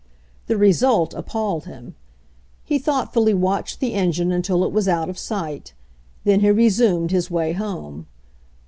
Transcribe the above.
The result appalled him. He thoughtfully watched the engine until it was out of sight. Then he resumed his way home.